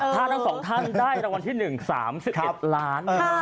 ถ้าทั้งสองท่านได้รวรรณที่หนึ่ง๓๑ล้าน